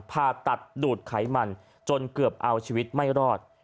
ผ่าตัดดูดไขมันจนเกือบเอาชีวิตไม่รอด